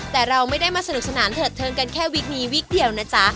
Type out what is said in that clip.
แต่เราไม่ได้มาสนุกสนานเถิดเทิงกันแค่วิกนี้วิกเดียวนะจ๊ะ